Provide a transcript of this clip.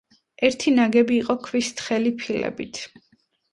ერთი ნაგები იყო ქვის თხელი ფილებით.